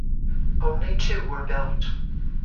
Only two were built.